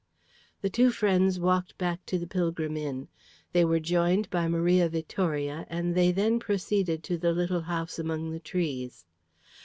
The two friends walked back to the Pilgrim Inn. They were joined by Maria Vittoria, and they then proceeded to the little house among the trees.